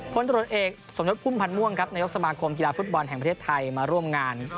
ตรวจเอกสมยศพุ่มพันธ์ม่วงครับนายกสมาคมกีฬาฟุตบอลแห่งประเทศไทยมาร่วมงาน